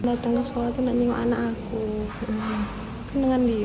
datang ke sekolah itu nanyung anak aku dengan dia